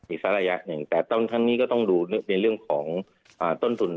อีกสักระยะหนึ่งแต่ทั้งนี้ก็ต้องดูในเรื่องของต้นทุน